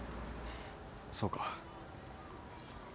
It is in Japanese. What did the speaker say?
そうか。